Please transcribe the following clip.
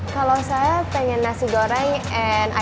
kalau saya pengen nasi goreng and ice lemon tea